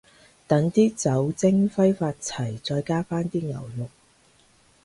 等啲酒精揮發齊，再加返啲牛肉